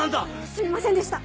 すみませんでした！